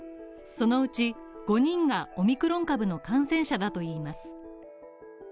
そのうち５人がオミクロン株の感染者だといいます。